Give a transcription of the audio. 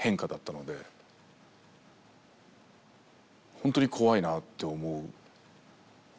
ほんとに怖いなって思う。